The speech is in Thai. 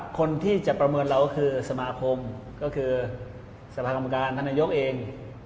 คนที่จะประเมินเราก็คือสมาคมก็คือสภากรรมการท่านนายกเอง